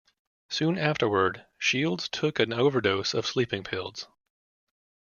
Soon afterward, Shields took an overdose of sleeping pills.